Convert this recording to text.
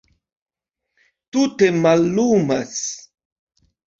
Tute mallumas.